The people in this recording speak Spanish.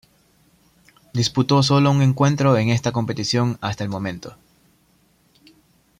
Disputó solo un encuentro en esta competición hasta el momento.